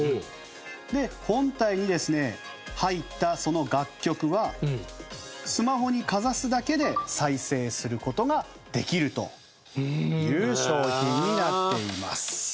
で本体にですね入ったその楽曲はスマホにかざすだけで再生する事ができるという商品になっています。